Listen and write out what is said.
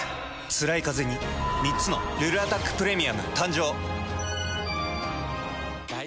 つらいカゼに３つの「ルルアタックプレミアム」誕生。